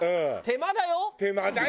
手間だよ。